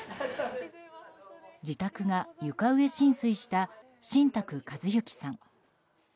自宅が床上浸水した新宅和幸さん。